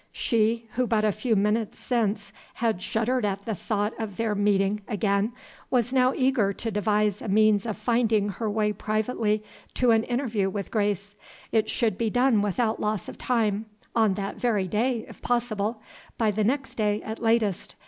She, who but a few minutes since had shuddered at the thought of their meeting again, was now eager to devise a means of finding her way privately to an interview with Grace. It should be done without loss of time on that very day, if possible; by the next day at latest.